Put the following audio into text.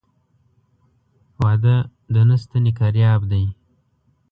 واده د نه ستني کرياب دى.